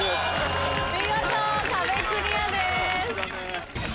見事壁クリアです。